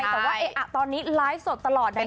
แต่ว่าตอนนี้ไลฟ์สดตลอดในไอตี